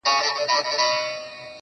• هغه وه تورو غرونو ته رويا وايي_